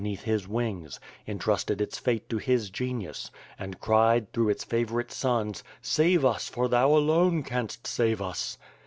neath his wings; entrusted its fate to his genius, and cried, through its favorite sons, "Save us, for thou alone canst save us!"